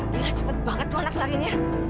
dila cepet banget tuh anak larinya